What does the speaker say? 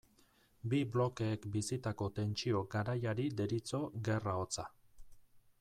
Bi blokeek bizitako tentsio garaiari deritzo Gerra hotza.